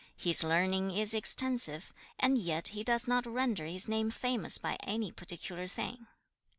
His learning is extensive, and yet he does not render his name famous by any particular thing.'